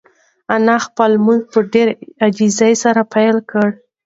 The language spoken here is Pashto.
انا خپل لمونځ په ډېرې عاجزۍ سره پیل کړ.